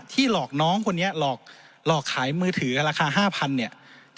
หลอกน้องคนนี้หลอกขายมือถือราคา๕๐๐เนี่ย